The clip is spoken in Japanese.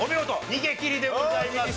逃げ切りでございます。